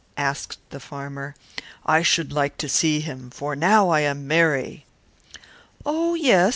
asked the farmer. "I should like to see him now, while I am so merry." "Oh, yes!"